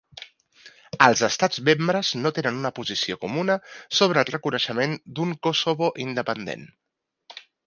Els Estats membres no tenen una posició comuna sobre el reconeixement d'un Kosovo independent.